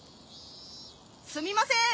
すみません。